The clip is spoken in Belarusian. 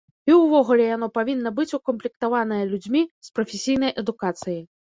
І ўвогуле яно павінна быць укамплектаванае людзьмі з прафесійнай адукацыяй.